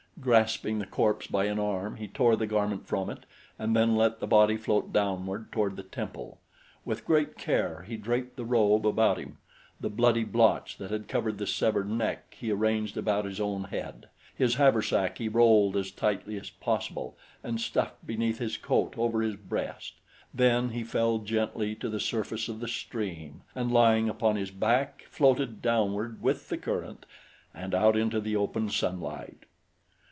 Grasping the corpse by an arm he tore the garment from it and then let the body float downward toward the temple. With great care he draped the robe about him; the bloody blotch that had covered the severed neck he arranged about his own head. His haversack he rolled as tightly as possible and stuffed beneath his coat over his breast. Then he fell gently to the surface of the stream and lying upon his back floated downward with the current and out into the open sunlight.